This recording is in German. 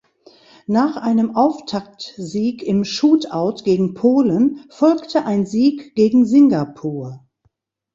Nach einem Auftaktsieg im Shootout gegen Polen folgte ein Sieg gegen Singapur.